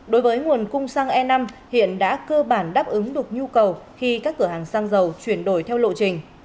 đối với nguồn cung xăng e năm hiện đã cơ bản đáp ứng được nhu cầu khi các cửa hàng xăng dầu chuyển đổi theo lộ trình